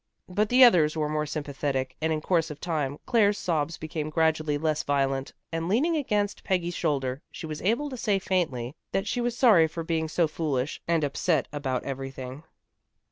But the others were more sympathetic and in course of time Claire's sobs became gradually less violent, and leaning against Peggy's shoulder, she was able to say faintly that she was sorry to be so foolish and upset everything.